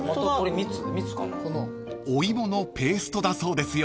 ［お芋のペーストだそうですよ］